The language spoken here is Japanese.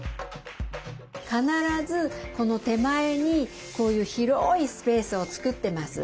必ずこの手前にこういう広いスペースを作ってます。